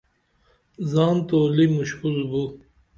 زان تولی مُشکول بو